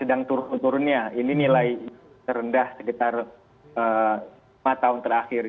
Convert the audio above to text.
sedang turun turunnya ini nilai terendah sekitar lima tahun terakhir